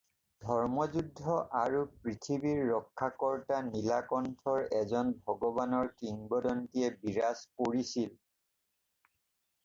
ধৰ্মযুদ্ধ আৰু পৃথিৱীৰ ৰক্ষাকৰ্তা নীলা কণ্ঠৰ এজন ভগৱানৰ কিংবদন্তিয়ে বিৰাজ কৰিছিল।